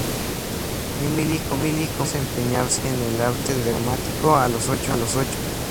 Emily comenzó a desempeñarse en el arte dramático a los ocho años.